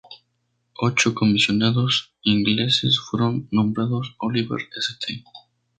Ocho comisionados ingleses fueron nombrados, Oliver St.